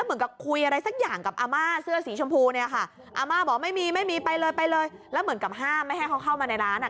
อำมาตย์หลบลงไปหลัง